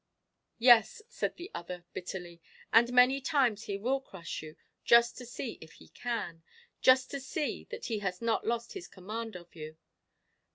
"Yes," said the other, bitterly, "and many times he will crush you, just to see if he can just to see that he has not lost his command of you.